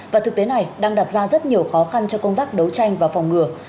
và thực tế này đang đặt ra rất nhiều khó khăn cho công tác đấu tranh và phòng ngừa